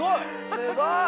すごい。